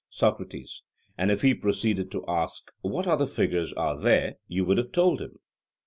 SOCRATES: And if he proceeded to ask, What other figures are there? you would have told him.